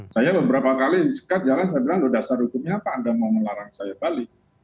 saya beberapa kali disekat jalan saya bilang dasar hukumnya apa anda mau melarang saya balik